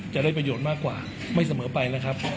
จะได้ประโยชน์มากกว่าไม่เสมอไปนะครับ